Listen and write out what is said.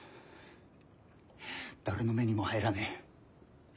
誰の目にも入らねえ。